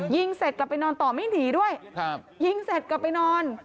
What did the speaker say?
ยิงเสร็จกลับไปนอนต่อไม่หนีด้วยครับยิงเสร็จกลับไปนอน